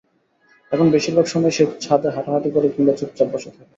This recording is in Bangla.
এখন বেশির ভাগ সময় সে ছাদে হাঁটাহাঁটি করে কিংবা চুপচাপ বসে থাকে।